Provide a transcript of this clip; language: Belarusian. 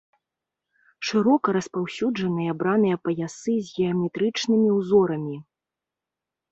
Шырока распаўсюджаныя браныя паясы з геаметрычнымі ўзорамі.